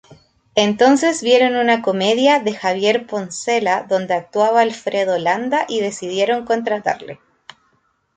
Entonces vieron una comedia de Javier Poncela donde actuaba Alfredo Landa y decidieron contratarle.